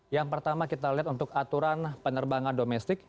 yang pertama kita lihat untuk aturan penerbangan domestik